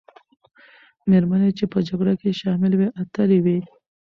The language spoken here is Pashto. مېرمنې چې په جګړه کې شاملي وې، اتلې وې.